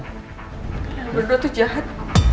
ya berdua tuh jahat